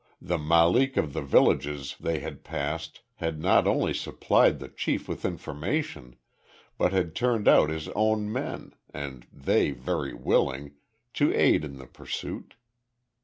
The malik of the villages they had passed had not only supplied the chief with information, but had turned out his own men and they very willing to aid in the pursuit.